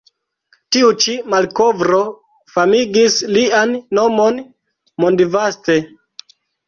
Tiu ĉi malkovro famigis lian nomon mondvaste.